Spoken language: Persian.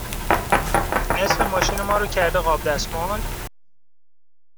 نصف ماشین ما رو کرده قاب دستمال؟